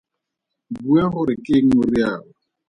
Bua gore ke eng o rialo.